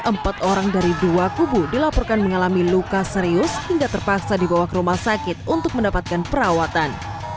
empat orang dari dua kubu dilaporkan mengalami luka serius hingga terpaksa dibawa ke rumah sakit untuk mendapatkan perawatan